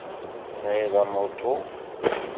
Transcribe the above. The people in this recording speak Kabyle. Tesɛiḍ amuṭu?